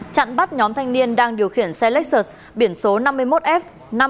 chặn bắt nhóm thanh niên đang điều khiển xe lexus biển số năm mươi một f ba mươi năm nghìn bốn trăm một mươi